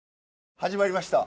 始まりました。